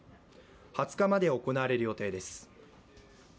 ２０日まで行われる予定です。